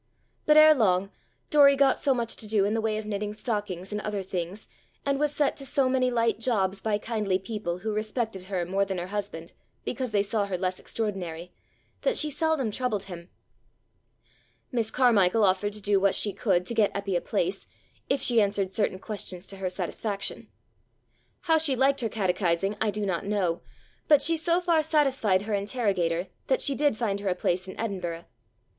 But ere long Doory got so much to do in the way of knitting stockings and other things, and was set to so many light jobs by kindly people who respected her more than her husband because they saw her less extraordinary, that she seldom troubled him. Miss Carmichael offered to do what she could to get Eppy a place, if she answered certain questions to her satisfaction. How she liked her catechizing I do not know, but she so far satisfied her interrogator that she did find her a place in Edinburgh.